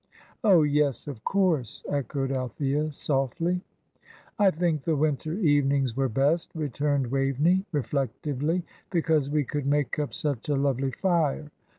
"Oh, yes, of course," echoed Althea, softly. "I think the winter evenings were best," returned Waveney, reflectively, "because we could make up such a lovely fire.